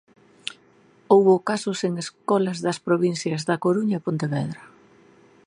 Houbo casos en escolas das provincias da Coruña e Pontevedra.